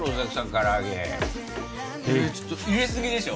唐揚げちょっと入れすぎでしょ